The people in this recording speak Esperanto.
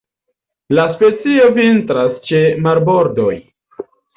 La specio vintras ĉe marbordoj.